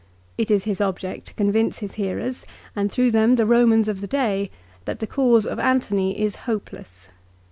It is his object to convince his hearers, and through them the Romans of the day, that the cause of Antony is hopeless.